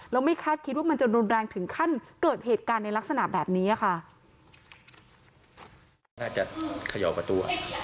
แล้วไม่คาดคิดว่ามันจะรุนแรงถึงขั้นเกิดเหตุการณ์ในลักษณะแบบนี้ค่ะ